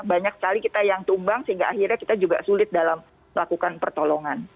banyak sekali kita yang tumbang sehingga akhirnya kita juga sulit dalam melakukan pertolongan